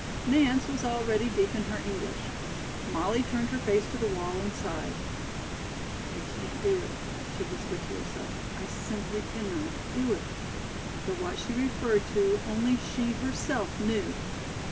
Nance was already deep in her English. Molly turned her face to the wall and sighed. "I can't do it," she whispered to herself; "I simply cannot do it." But what she referred to only she herself knew.